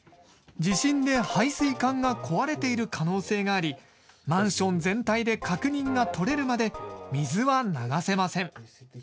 地震で排水管が壊れている可能性があり、マンション全体で確認が取れるまで水は流せません。